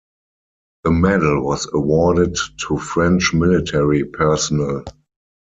The medal was awarded to French military personnel.